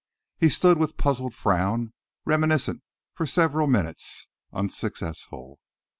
He stood with puzzled frown, reminiscent for several minutes, unsuccessful.